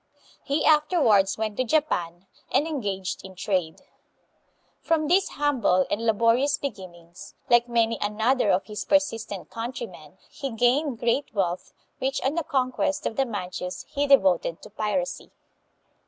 He afterwards went to Japan, and engaged hi trade. From these humble and laborious beginnings, like many another of his persistent country men, he gained great wealth, which on the conquest of the Manchus he devoted to piracy.